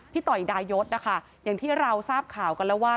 ต่อยดายศนะคะอย่างที่เราทราบข่าวกันแล้วว่า